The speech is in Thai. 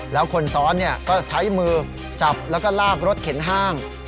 แล้วคนซ้อนก็ใช้มือจับแล้วก็ลากรถเข็นห้าง